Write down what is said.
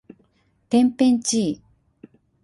てんぺんちい